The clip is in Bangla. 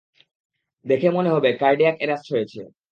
দেখে মনে হবে কার্ডিয়াক এ্যারেস্ট হয়েছে।